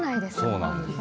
そうなんです。